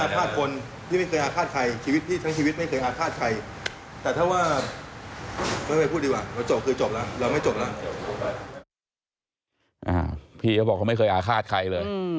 พี่เขาบอกเขาไม่เคยอาฆาตใครเลย